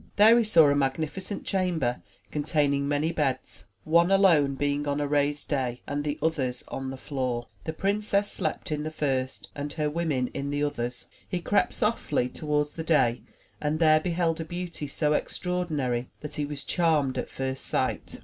There he saw a magnificent chamber containing many beds, one alone being on a raised dais and the others on the floor. 44 THE TREASURE CHEST The princess slept in the first and her women in the others. He crept softly toward the dais and there beheld a beauty so extra ordinary that he was charmed at first sight.